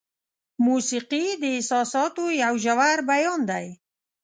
موسیقي د احساساتو یو ژور بیان دی.